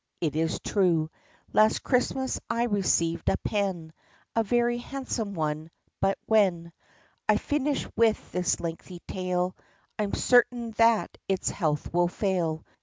It is true hast Christmas I received a pen — A very handsome one — but when I finish with this lengthy tale I 'm certain that its health will fail.